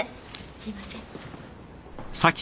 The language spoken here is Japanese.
すいません。